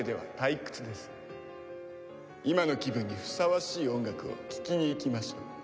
今の気分にふさわしい音楽を聞きに行きましょう。